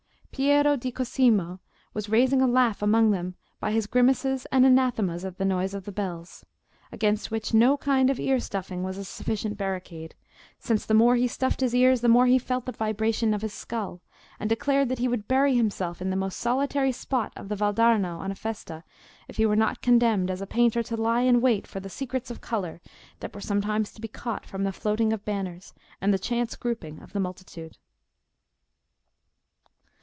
Piero di Cosimo was raising a laugh among them by his grimaces and anathemas at the noise of the bells, against which no kind of ear stuffing was a sufficient barricade, since the more he stuffed his ears the more he felt the vibration of his skull; and declaring that he would bury himself in the most solitary spot of the Valdarno on a festa, if he were not condemned, as a painter, to lie in wait for the secrets of colour that were sometimes to be caught from the floating of banners and the chance grouping of the multitude.